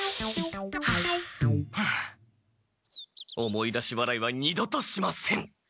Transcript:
思い出し笑いは二度としません！